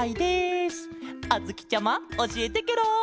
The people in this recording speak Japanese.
あづきちゃまおしえてケロ。